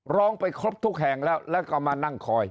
ร้องไปครบทุกแห่งแล้วแล้วก็มานั่งคอย